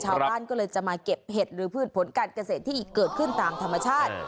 ชาวบ้านก็เลยจะมาเก็บเห็ดหรือพืชผลการเกษตรที่เกิดขึ้นตามธรรมชาติ